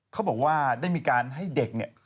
เขาบอกว่าได้มีการให้เด็กเนี่ย